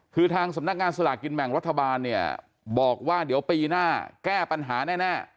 คือทางสำนักงานสลากกินแบ่งรัฐบาลเนี่ยบอกว่าเดี๋ยวปีหน้าแก้ปัญหาแน่